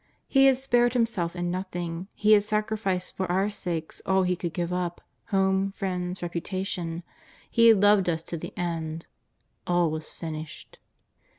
He had spared Himself in nothing; He had sacrificed for our sakes, all He could give up — home, friends, reputa tion — He had loved us to the end — all was finished.